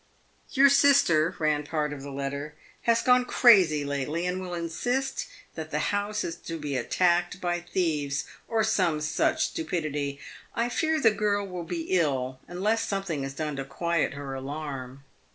"Your sister," ran part of the letter, "has gone crazy lately, and will insist that the house is to be attacked by thieves, or some such stupidity. I fear the girl will be ill, unless something is done to quiet her alarm.